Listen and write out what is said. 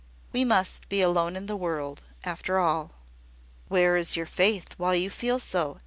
We must be alone in the world, after all." "Where is your faith, while you feel so?"